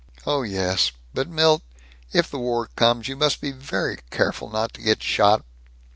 "Oh yes But, Milt! If the war comes, you must be very careful not to get shot!"